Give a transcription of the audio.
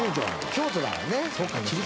京都だからね。